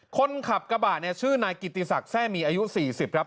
คนขับกระบะเนี้ยชื่อนายกิติศักดิ์แทร่มีอายุสี่สิบแล้ว